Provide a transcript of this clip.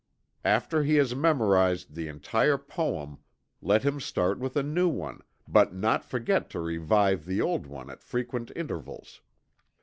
After he has memorized the entire poem, let him start with a new one, but not forget to revive the old one at frequent intervals.